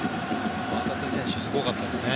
旗手選手、すごかったですね。